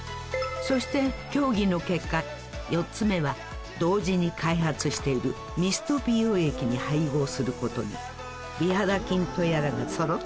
そして協議の結果４つ目は同時に開発しているミスト美容液に配合することに美肌菌とやらがそろった！